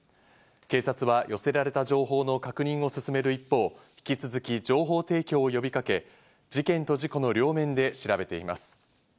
警察は寄せられた情報の確認を進める一方、引き続き、情報提供を呼びかけ、事件と事故の両面で調べています。